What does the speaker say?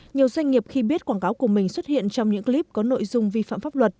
nhiều doanh nghiệp khi biết quảng cáo của mình xuất hiện trong những clip có nội dung vi phạm pháp luật